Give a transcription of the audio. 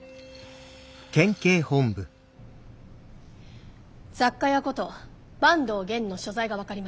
雑貨屋こと坂東玄の所在が分かりました。